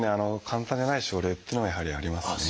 簡単じゃない症例っていうのもやはりありますね。